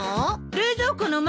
冷蔵庫の上！？